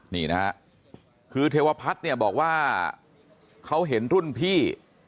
นี่นะฮะคือเทวพัฒน์เนี่ยบอกว่าเขาเห็นรุ่นพี่